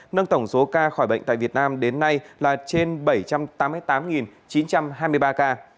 nâng tổng số ca khỏi bệnh tại việt nam đến nay là trên bảy trăm tám mươi tám chín trăm hai mươi ba ca